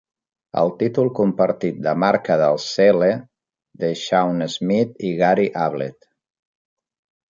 El títol compartit de "marca del sehle" de Shaun Smith i Gary Ablett.